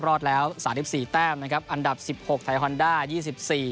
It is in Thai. รอดแล้วสามสิบสี่แต้มนะครับอันดับสิบหกไทยฮอนด้ายี่สิบสี่